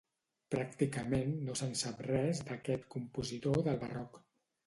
Pràcticament no se'n sap res d'aquest compositor del Barroc.